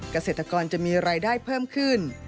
เกษตรกรจะมีรายได้เพิ่มขึ้น